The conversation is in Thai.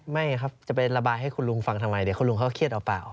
ไม่ครับจะไประบายให้คุณลุงฟังทำไมเดี๋ยวคุณลุงเขาก็เครียดเอาเปล่า